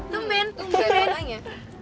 lo men lo gak ada yang nanya